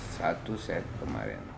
satu set kemarin